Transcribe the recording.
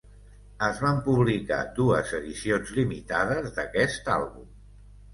Es van publicar dues edicions limitades d'aquest àlbum.